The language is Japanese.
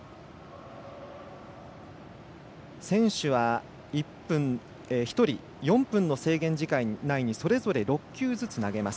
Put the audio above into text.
選手は１人４分の制限時間内にそれぞれ６球ずつ投げます。